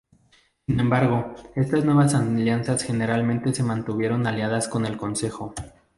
Sin embargo, estas nuevas alianzas generalmente se mantuvieron aliadas con el consejo.